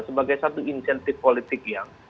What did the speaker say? sebagai satu insentif politik yang